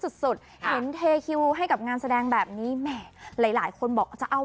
คลิปเก่าให้หายคิดถึงกันไปก่อนจ้า